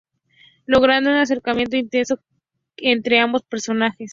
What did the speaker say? Logrando un acercamiento intenso entre ambos personajes.